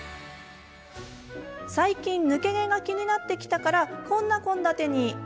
最近抜け毛が気になってきたからこんな献立に。